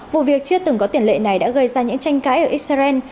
vụ việc chưa từng có tiền lệ này đã gây ra những tranh cãi ở israel